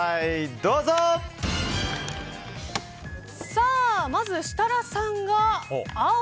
さあ、まず設楽さんが青。